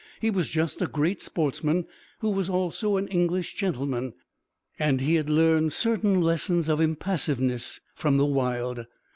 He was just a great sportsman who was also an English gentleman, and he had learned certain lessons of impassiveness from the wild.